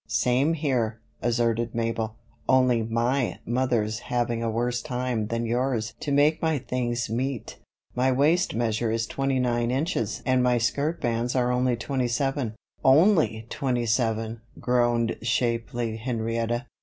"Same here," asserted Mabel. "Only my mother's having a worse time than yours to make my things meet. My waist measure is twenty nine inches and my skirt bands are only twenty seven." "Only twenty seven," groaned shapely Henrietta.